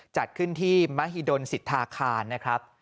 จัดขึ้นที่มหิดลสิทธาคารนะครับ